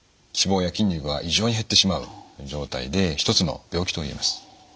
脂肪や筋肉が異常に減ってしまう状態でひとつの病気と言えます。